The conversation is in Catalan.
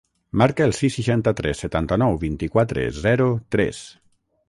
Marca el sis, seixanta-tres, setanta-nou, vint-i-quatre, zero, tres.